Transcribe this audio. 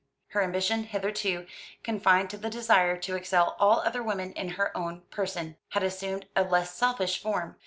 Her ambition, hitherto confined to the desire to excel all other women in her own person, had assumed a less selfish form.